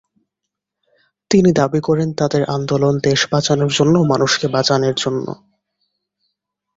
তিনি দাবি করেন, তাঁদের আন্দোলন দেশ বাঁচানোর জন্য, মানুষকে বাঁচানোর জন্য।